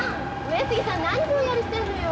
上杉さん何ぼんやりしてるのよ。